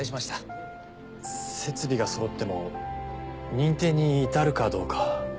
設備がそろっても認定に至るかどうか。